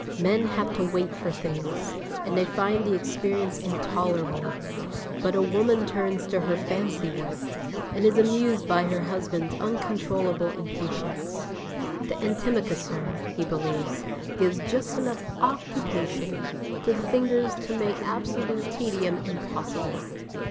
Men have to wait for things, and they find the experience intolerable. But a woman turns to her fancy work, and is amused at her husband's uncontrollable impatience. The antimacassar, he believes, gives just enough occupation to the fingers to make absolute tedium impossible.